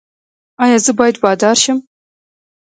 ایا زه باید بادار شم؟